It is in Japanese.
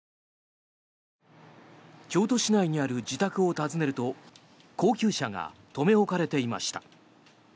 京都市内にある自宅を訪ねると高級車が留め置かれていました。